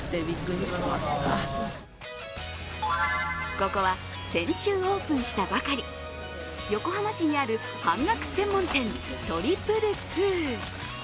ここは先週オープンしたばかり横浜市にある半額専門店、２２２。